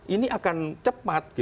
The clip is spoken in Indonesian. ini akan cepat